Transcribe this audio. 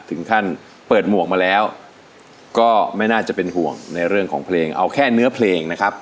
เอาแค่เนื้อเพลงนะครับ